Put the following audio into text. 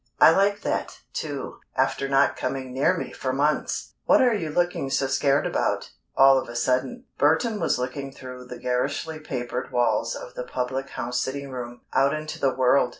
"I like that, too, after not coming near me for months! What are you looking so scared about, all of a sudden?" Burton was looking through the garishly papered walls of the public house sitting room, out into the world.